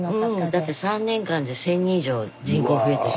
だって３年間で１，０００人以上人口増えて。